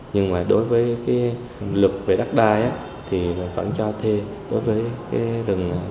nhưng mà đối với luật về đắc đai thì vẫn cho thuê đối với rừng